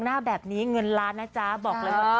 ให้ถ่ายให้ถ่าย